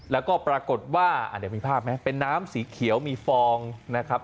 แล้วก็ปรากฏว่าเดี๋ยวมีภาพไหมเป็นน้ำสีเขียวมีฟองนะครับ